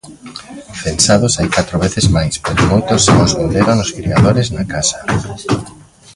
Censados hai catro veces máis, pero moitos xa os venderon os criadores na casa.